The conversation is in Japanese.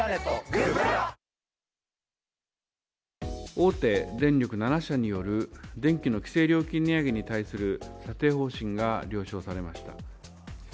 大手電力７社による電気の規制料金値上げに対する査定方針が了承されました。